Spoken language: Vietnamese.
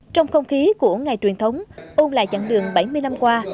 trong không khí của ngày truyền thống ôn lại chặng đường bảy mươi năm qua